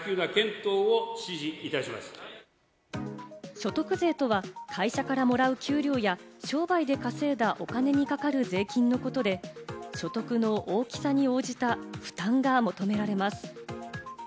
所得税とは、会社からもらう給料や商売で稼いだお金にかかる税金のことで、所得の大きさに応じた負担が求められます。